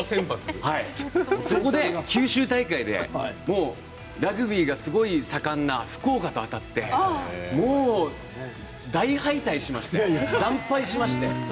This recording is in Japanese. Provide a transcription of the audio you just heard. そこで九州大会でラグビーがすごい盛んな福岡とあたってもう大敗退しまして惨敗しまして。